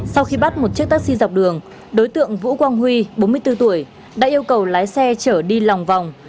sau khi bắt một chiếc taxi dọc đường đối tượng vũ quang huy bốn mươi bốn tuổi đã yêu cầu lái xe chở đi lòng vòng